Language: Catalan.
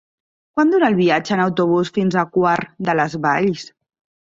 Quant dura el viatge en autobús fins a Quart de les Valls?